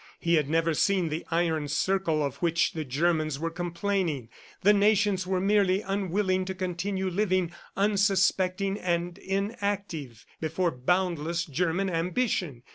He had never seen the iron circle of which the Germans were complaining. The nations were merely unwilling to continue living, unsuspecting and inactive, before boundless German ambition.